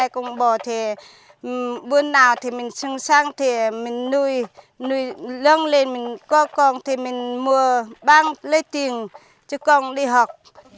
hai con bò thì bữa nào mình sẵn sàng thì mình nuôi nuôi lông lên mình có con thì mình mua băng lấy tiền cho con đi học